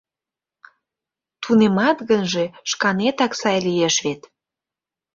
— Тунемат гынже, шканетак сай лиеш вет...